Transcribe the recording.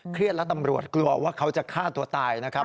และตำรวจกลัวว่าเขาจะฆ่าตัวตายนะครับ